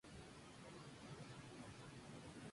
El derecho al matrimonio entre personas del mismo sexo.